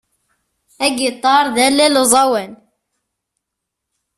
Agiṭar d allal uẓawan.